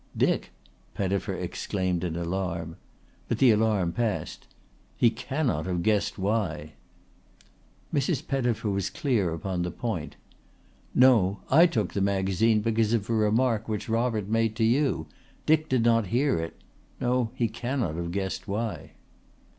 "Dick!" Pettifer exclaimed in alarm. But the alarm passed. "He cannot have guessed why." Mrs. Pettifer was clear upon the point. "No. I took the magazine because of a remark which Robert made to you. Dick did not hear it. No, he cannot have guessed why."